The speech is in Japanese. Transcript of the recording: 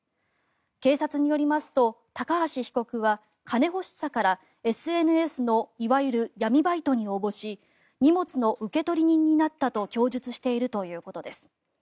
警察によりますと高橋被告は金欲しさからＳＮＳのいわゆる闇バイトに応募し荷物の受取人になったと供述しているということです。